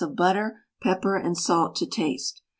of butter, pepper and salt to taste.